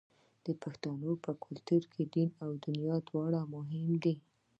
د پښتنو په کلتور کې دین او دنیا دواړه مهم دي.